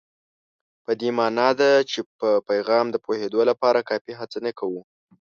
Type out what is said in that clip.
په دې مانا ده چې په پیغام د پوهېدو لپاره کافي هڅه نه کوو.